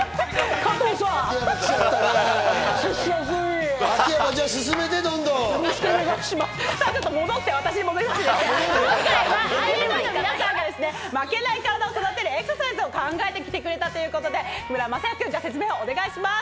今回はＩＮＩの皆さんが負けないカラダを育てるエクササイズを考えてきてくれたということで、木村柾哉君、説明お願いします。